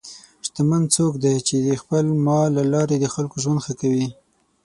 شتمن څوک دی چې د خپل مال له لارې د خلکو ژوند ښه کوي.